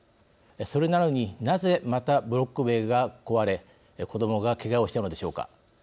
それなのになぜまたブロック塀が壊れ子どもがけがをしたのでしょうか。